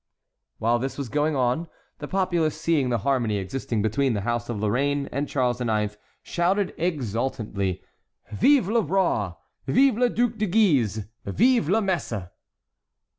While this was going on, the populace, seeing the harmony existing between the house of Lorraine and Charles IX., shouted exultantly: "Vive le Roi!" "Vive le Duc de Guise!" "Vive la Messe!"